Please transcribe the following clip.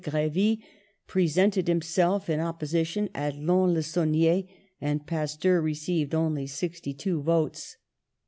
Grevy presented himself in opposition at Lons le Saulnier, and Pasteur received only 62 votes.